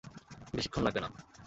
বেশীক্ষণ লাগবে না।